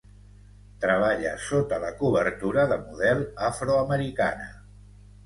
Treballa sota la cobertura de model afro-americana.